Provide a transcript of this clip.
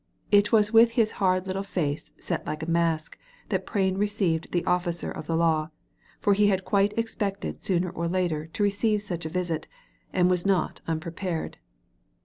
It was with his hard little face set like a mask that Prain received the officer of the law, for he had quite expected sooner or later to receive such a visit, and was not unprepared.